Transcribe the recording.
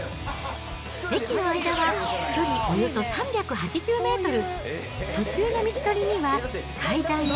駅の間は、距離およそ３８０メートル。